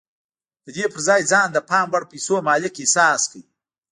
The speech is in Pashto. د دې پر ځای ځان د پام وړ پيسو مالک احساس کړئ.